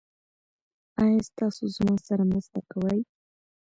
ایا تاسو زما سره مرسته کوئ؟